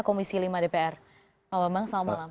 komisi lima dpr pak bambang selamat malam